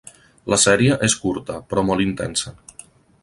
La sèrie és curta, però molt intensa.